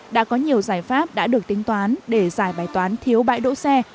đã có nhiều giải pháp đã được tính toán để giải bài toán thiếu bãi đỗ xe